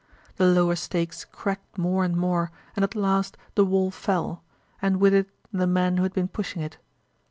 The lower stakes cracked more and more and at last the wall fell, and with it the men who had been pushing it.